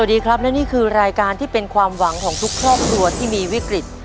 สวัสดีครับและนี่คือรายการที่เป็นความหวังของทุกครอบครัวที่มีวิกฤต